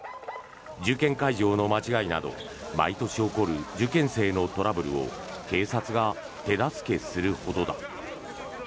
受験会場の間違いなど毎年起こる受験生のトラブルを警察が手助けするほどだ。